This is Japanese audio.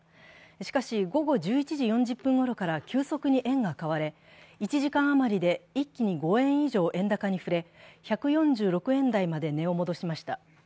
しかし、午後１１時４０分ごろから急速に円が買われ、１時間余りで一気に５円以上円高に振れ、１４６円台まで値を戻しました。